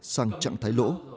sang trạng thái lỗ